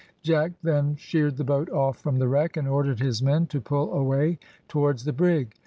Jack then sheered the boat off from the wreck, and ordered his men to pull away towards the brig.